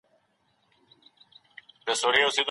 ځينې سياسي مسايل د وخت په تېرېدو سره خپل ارزښت له لاسه ورکوي.